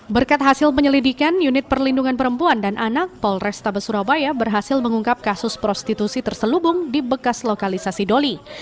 berkat hasil penyelidikan unit perlindungan perempuan dan anak polrestabes surabaya berhasil mengungkap kasus prostitusi terselubung di bekas lokalisasi doli